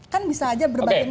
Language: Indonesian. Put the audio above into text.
kan bisa aja berbagai macam